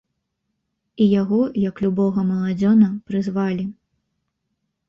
І яго як любога маладзёна прызвалі.